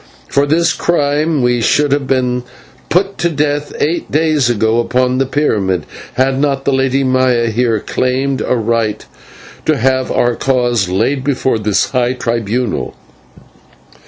For this crime we should have been put to death eight days ago upon the pyramid, had not the Lady Maya here claimed a right to have our cause laid before this high tribunal.